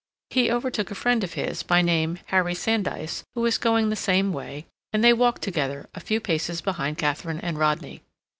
He overtook a friend of his, by name Harry Sandys, who was going the same way, and they walked together a few paces behind Katharine and Rodney.